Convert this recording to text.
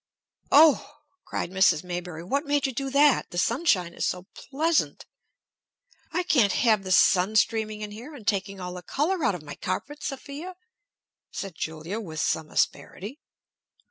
"Oh!" cried Mrs. Maybury, "what made you do that? The sunshine is so pleasant." "I can't have the sun streaming in here and taking all the color out of my carpet, Sophia!" said Julia, with some asperity.